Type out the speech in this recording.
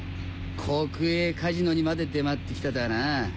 国営カジノにまで出回ってきたとはな。